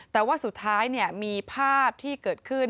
แต่ว่าสุดท้ายมีภาพที่เกิดขึ้น